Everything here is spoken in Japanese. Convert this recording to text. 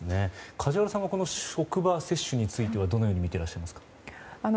梶原さんは職場接種についてはどのように見ていますか。